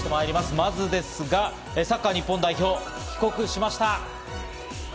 まずですが、サッカー日本代表、帰国しました。